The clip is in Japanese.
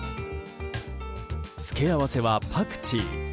付け合わせはパクチー。